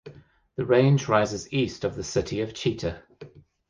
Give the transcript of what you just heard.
The range rises east of the city of Chita.